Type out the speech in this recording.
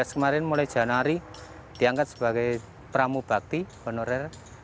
dua ribu delapan belas kemarin mulai januari diangkat sebagai pramu bakti honorer